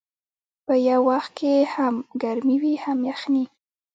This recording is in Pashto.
په یو وخت کې هم ګرمي وي هم یخني.